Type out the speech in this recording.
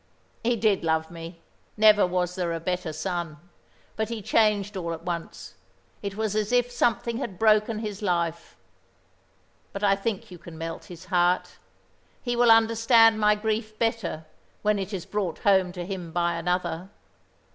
"He did love me never was there a better son. But he changed all at once. It was as if something had broken his life. But I think you can melt his heart. He will understand my grief better when it is brought home to him by another.